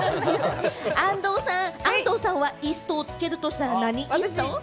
安藤さん、安藤さんは「イスト」をつけるとしたら何イスト？